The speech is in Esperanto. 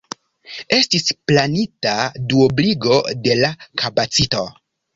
Estis planita duobligo de la kapacito.